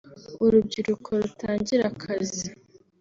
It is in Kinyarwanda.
urubyiruko rutagira akazi